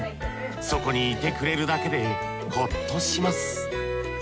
そこにいてくれるだけでホッとします。